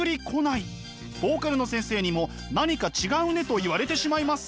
ボーカルの先生にも「何か違うね」と言われてしまいます。